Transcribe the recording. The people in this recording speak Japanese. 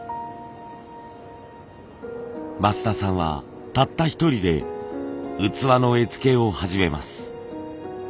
増田さんはたった一人で器の絵付けを始めます。